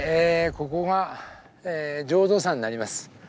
ここが浄土山になります。